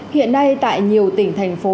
hiện nay tại nhiều tỉnh thành phố